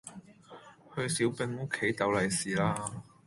去小丙屋企逗利是啦